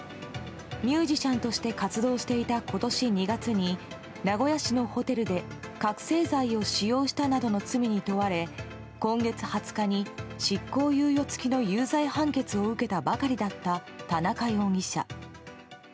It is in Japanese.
ミュージシャンとして活動していた今年２月に名古屋市のホテルで、覚醒剤を使用したなどの罪に問われ今月２０日に執行猶予付きの有罪判決を受けたばかりだった田中容疑者。